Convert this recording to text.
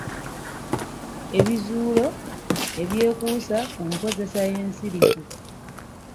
Ebizuulo ebyekuusa ku nkozesa y’ensirifu.